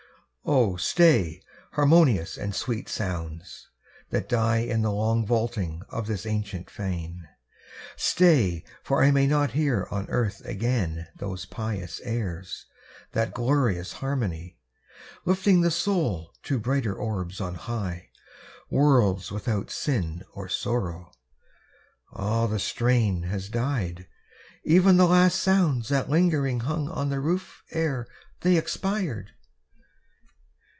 Oh, stay, harmonious and sweet sounds, that die In the long vaultings of this ancient fane! Stay, for I may not hear on earth again Those pious airs that glorious harmony; Lifting the soul to brighter orbs on high, Worlds without sin or sorrow! Ah, the strain Has died ev'n the last sounds that lingeringly Hung on the roof ere they expired!